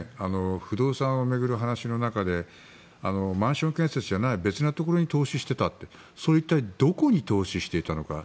不動産を巡る話の中でマンション建設じゃない別なところに投資してたってそれは一体どこに投資していたのか。